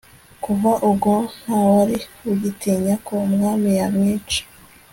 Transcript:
kuva ubwo ntawari ugitinya ko umwami yamwica